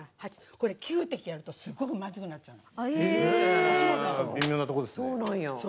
これ、９滴やるとすごくまずくなっちゃうの。